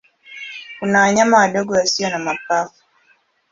Kuna wanyama wadogo wasio na mapafu.